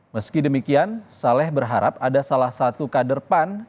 meski demikian saleh berharap ada salah satu kader pan